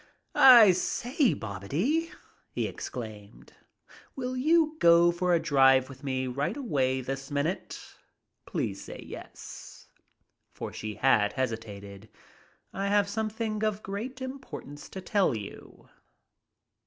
"I say, Bobety," he exclaimed, "will you go for a drive with me right away this minute? Please say 'yes' (for she had hesitated), I have something of great importance to tell you."